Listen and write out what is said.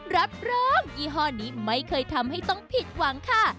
รับรองยี่ห้อนี้ไม่เคยทำให้ต้องผิดหวังค่ะ